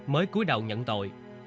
mới cuối đầu nhận tội